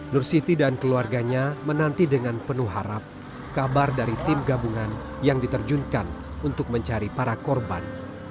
nursiti dan keluarganya menanti dengan penuh harap kabar dari tim gabungan yang diterjunkan untuk mencari para korban